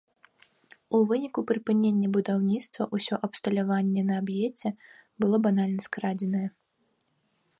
У выніку прыпынення будаўніцтва ўсё абсталяванне на аб'еце было банальна скрадзенае.